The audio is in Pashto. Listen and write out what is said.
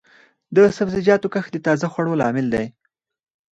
د سبزیجاتو کښت د تازه خوړو لامل دی.